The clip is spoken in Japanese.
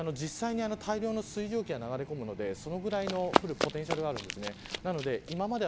実際に大量の水蒸気が流れ込むのでそれぐらい降るポテンシャルがあります。